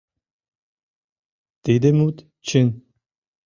Тиде мут чын.